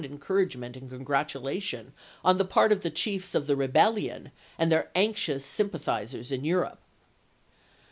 encouragement and congratulation on the part of the chiefs of the rebellion and their anxious sym pathizers in Europe.